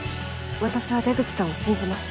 私は出口さんを信じます。